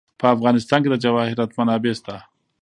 په افغانستان کې د جواهرات منابع شته.